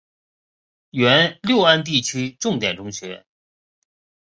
原六安地区重点中学。